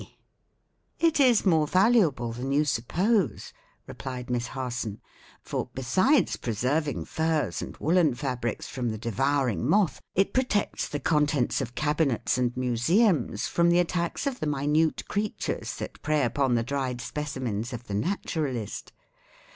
"It is more valuable than you suppose," replied Miss Harson; "for, besides preserving furs and woolen fabrics from the devouring moth, it protects the contents of cabinets and museums from the attacks of the minute creatures that prey upon the dried specimens of the naturalist.